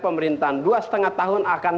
pemerintahan dua lima tahun akan